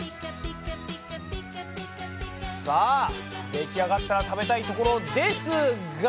さあできあがったら食べたいところですが！